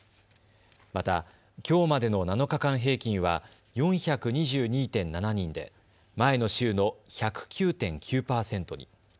また、きょうまでの７日間平均は４２２．７人で前の週の１０９．９％に。